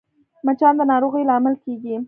مچان د ناروغیو لامل کېږي